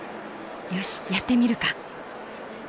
よしやってみるか。